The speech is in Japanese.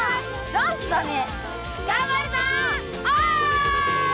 ダンスだね。